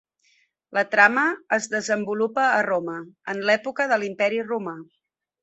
La trama es desenvolupa a Roma, en l'època de l'Imperi Romà.